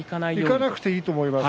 いかない方がいいと思います。